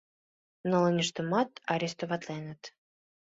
Нылыньыштымат арестоватленыт.